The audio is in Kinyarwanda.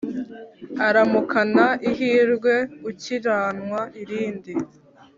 uramukana ihirwe ukiriranwa irindi